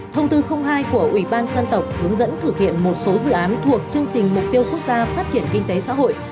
thông tư hai của ủy ban dân tộc hướng dẫn thực hiện một số dự án thuộc chương trình mục tiêu quốc gia phát triển kinh tế xã hội